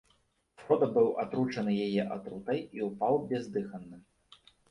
Фрода быў атручаны яе атрутай і ўпаў бездыханным.